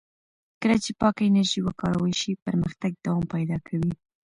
کله چې پاکه انرژي وکارول شي، پرمختګ دوام پیدا کوي.